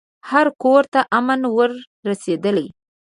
هر کورته امن ور رسېدلی